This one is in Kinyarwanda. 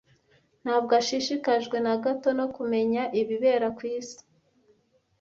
Ntabwo ashishikajwe na gato no kumenya ibibera ku isi.